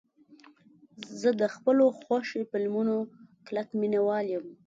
زه د خپلو خوښې فلمونو کلک مینهوال یم.